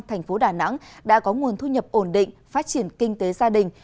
thành phố đà nẵng đã có nguồn thu nhập ổn định phát triển kinh tế gia đình